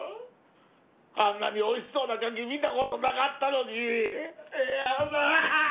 あんなにおいしそうな柿見た事なかったのに！